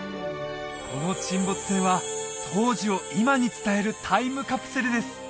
この沈没船は当時を今に伝えるタイムカプセルです